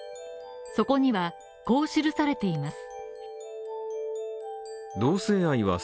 そこには、こう記されています。